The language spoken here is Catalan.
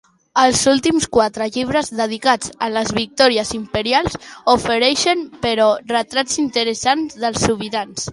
Els últims quatre llibres, dedicats a les victòries imperials, ofereixen, però, retrats interessants dels sobirans.